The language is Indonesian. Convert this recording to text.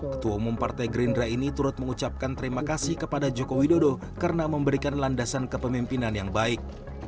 ketua umum partai gerindra ini turut mengucapkan terima kasih kepada joko widodo karena memberikan landasan kepemimpinan yang baik